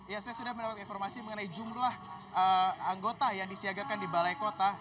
ya saya sudah mendapat informasi mengenai jumlah anggota yang disiagakan di balai kota